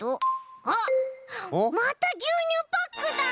あっまたぎゅうにゅうパックだ。